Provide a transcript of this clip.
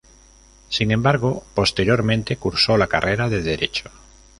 Sin embargo posteriormente cursó la carrera de derecho.